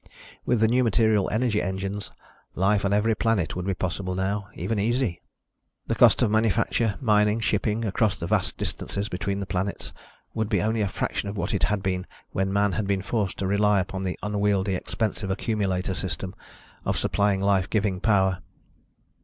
With the new material energy engines, life on every planet would be possible now, even easy. The cost of manufacture, mining, shipping across the vast distances between the planets would be only a fraction of what it had been when man had been forced to rely upon the unwieldy, expensive accumulator system of supplying life giving power.